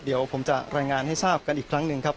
เดี๋ยวผมจะรายงานให้ทราบกันอีกครั้งหนึ่งครับ